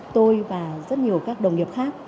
tôi và rất nhiều các đồng nghiệp khác